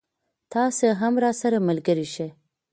تاسې هم راسره ملګری شئ.